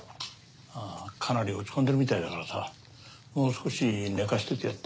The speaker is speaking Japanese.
あぁかなり落ち込んでるみたいだからさもう少し寝かせといてやって。